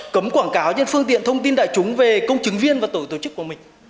cấm quảng cáo trên phương tiện thông tin đại chúng về công chứng viên và tổ chức của mình